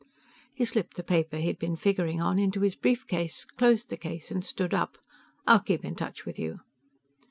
He slipped the paper he had been figuring on into his brief case, closed the case and stood up. "I'll keep in touch with you."